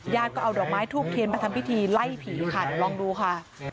ยาดก็เอาดอกไม้ถูกเคลียนมาทำพิธีไล่ผีค่ะลองดูค่ะ